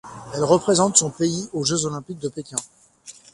Elle représente son pays aux Jeux olympiques de Pékln.